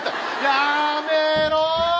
やめろ。